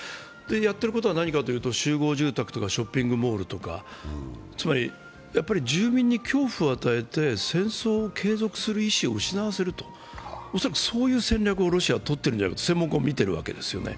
やってることは何かというと集合住宅とかショッピングモールとかつまり、住民に恐怖を与えて戦争を継続する意思を失わせると、恐らくそういう戦略をロシアはとっていると専門家は見ているわけですね。